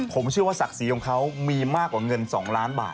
ผมเชื่อว่าศักดิ์ศรีของเขามีมากกว่าเงิน๒ล้านบาท